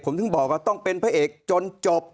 ผมถึงบอกว่าต้องเป็นพระเอกจนจบ